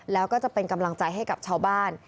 แล้วก็จะเป็นกำลังใจให้กับชาวบ้าน